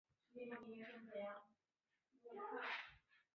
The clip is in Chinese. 因此在社会上享有很高声誉。